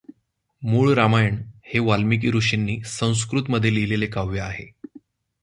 मूळ रामायण हे वाल्मीकी ऋषींनी संस्कृतमध्ये लिहिलेले काव्य आहे.